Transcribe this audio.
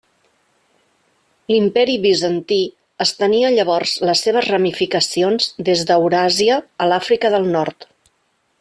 L'Imperi Bizantí estenia llavors les seves ramificacions des d'Euràsia a l'Àfrica del Nord.